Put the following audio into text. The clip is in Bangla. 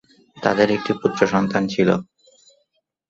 তাদের একটি পুত্রসন্তান ছিলঃ